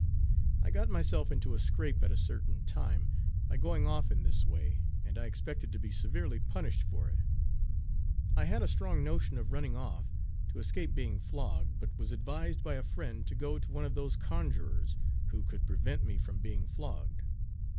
I got myself into a scrape at a certain time, by going off in this way, and I expected to be severely punished for it. I had a strong notion of running off, to escape being flogged, but was advised by a friend to go to one of those conjurers, who could prevent me from being flogged.